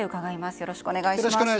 よろしくお願いします。